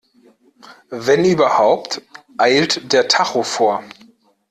Wenn überhaupt, eilt der Tacho vor.